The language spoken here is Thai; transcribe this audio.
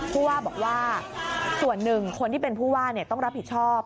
ผู้ว่าบอกว่าส่วนหนึ่งคนที่เป็นผู้ว่าต้องรับผิดชอบ